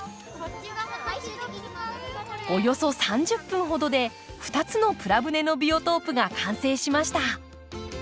およそ３０分ほどで２つのプラ舟のビオトープが完成しました。